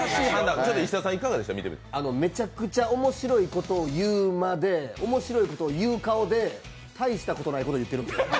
めちゃくちゃおもしろいことを言う間で、面白いことを言う顔で、大したことのないことを言うてるんです。